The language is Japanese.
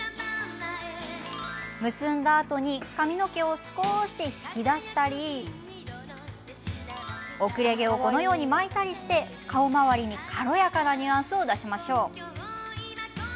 結んだあとに髪の毛を少し引き出したり後れ毛を巻いたりして顔周りに軽やかなニュアンスを出しましょう。